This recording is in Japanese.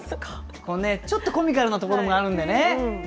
ちょっとコミカルなところもあるんでね。